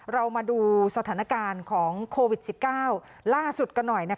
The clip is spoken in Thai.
เรามาดูสถานการณ์ของโควิด๑๙ล่าสุดกันหน่อย